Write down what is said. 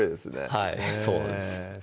はいそうなんです